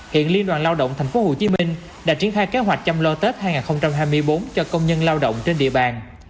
hiện liên đoàn lao động tp hcm đã triển khai kế hoạch chăm lo tết hai nghìn hai mươi bốn cho công nhân lao động trên địa bàn